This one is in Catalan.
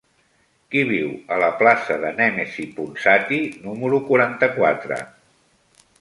Qui viu a la plaça de Nemesi Ponsati número quaranta-quatre?